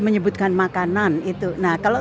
menyebutkan makanan itu nah kalau